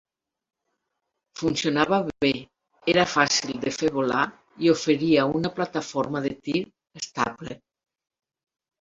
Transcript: Funcionava bé, era fàcil de fer volar i oferia una plataforma de tir estable.